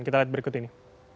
kita lihat berikut ini